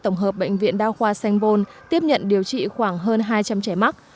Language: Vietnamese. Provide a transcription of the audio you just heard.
tổng hợp bệnh viện đa khoa sanh pôn tiếp nhận điều trị khoảng hơn hai trăm linh trẻ mắc